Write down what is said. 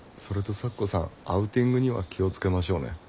それと咲子さんアウティングには気を付けましょうね。